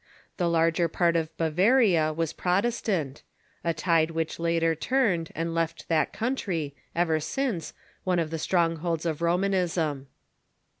The lai'ger part of Bavaria was Protes tant— a tide which later turned, and left that country, ever since, one of the strongholds of Romanism.